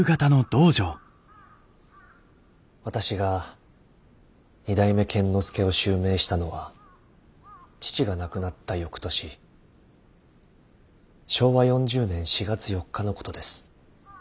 私が二代目剣之介を襲名したのは父が亡くなった翌年昭和４０年４月４日のことです。